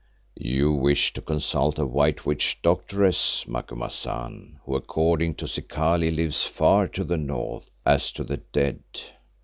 "You wish to consult a white witch doctoress, Macumazahn, who according to Zikali lives far to the north, as to the dead.